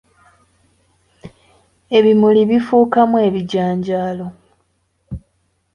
Ebimuli bifuukaamu ebijanjaalo.